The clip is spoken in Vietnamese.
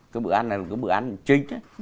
cái bữa ăn này là một cái bữa ăn chính